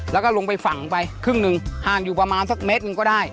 แล้วก็ลงไปฝั่งไปครึ่งหนึ่งห่างอยู่ประมาณสักเมตรหนึ่งก็ได้